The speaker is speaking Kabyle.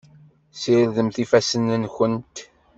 Sirdemt ifassen-nkent.